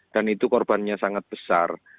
dan itu korbannya sangat besar